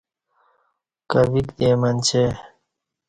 کویک دے اہ منچے